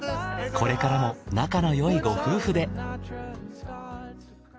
これからも仲のよいご夫婦で。